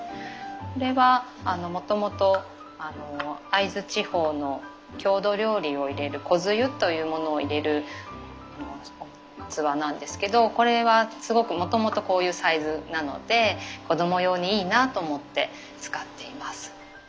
これはもともと会津地方の郷土料理を入れる「こづゆ」というものを入れる器なんですけどこれはもともとこういうサイズなので子ども用にいいなと思って使っています。